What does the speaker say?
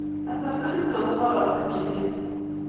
Kasarta nitok ko bo rapta che ng'ering